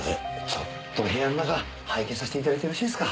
ちょっと部屋の中拝見させて頂いてよろしいですか？